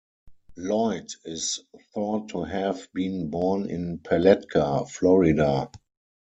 Lloyd is thought to have been born in Palatka, Florida.